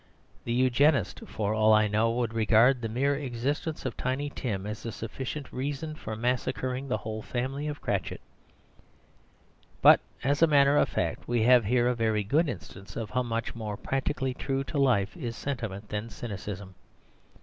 The Eugenist, for all I know, would regard the mere existence of Tiny Tim as a sufficient reason for massacring the whole family of Cratchit; but, as a matter of fact, we have here a very good instance of how much more practically true to life is sentiment than cynicism.